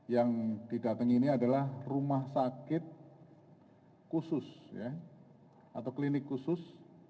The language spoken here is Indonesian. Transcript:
yang didatangi ini adalah rumah sakit khusus atau klinik khusus